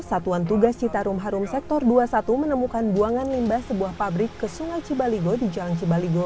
satuan tugas citarum harum sektor dua puluh satu menemukan buangan limbah sebuah pabrik ke sungai cibaligo di jalan cibaligo